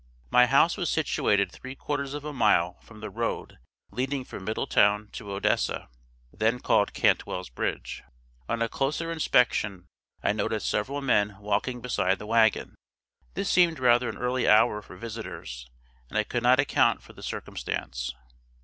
My house was situated three quarters of a mile from the road leading from Middletown to Odessa, (then called Cantwell's Bridge.) On a closer inspection I noticed several men walking beside the wagon. This seemed rather an early hour for visitors, and I could not account for the circumstance.